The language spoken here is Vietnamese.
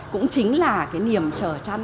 cũng chính là cái niềm trở trăn